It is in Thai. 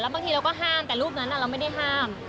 บางทีเราก็ห้ามแต่รูปนั้นเราไม่ได้ห้าม